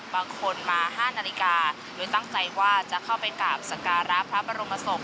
บางคนมา๕นาฬิกาโดยตั้งใจว่าจะเข้าไปกราบสการะพระบรมศพ